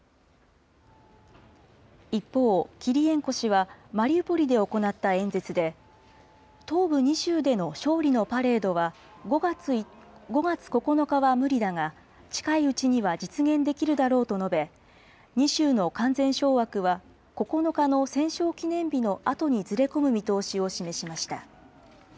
一方、キリエンコ氏は、マリウポリで行った演説で、東部２州での勝利のパレードは、５月９日は無理だが、近いうちには実現できるだろうと述べ、２州の完全掌握は９日の戦勝記念日のあとにずれ込む見通しを示しました。